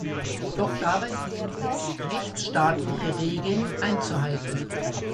Doch dabei gilt es, rechtsstaatliche Regeln einzuhalten.